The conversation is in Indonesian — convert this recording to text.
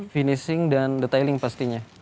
finishing dan detailing pastinya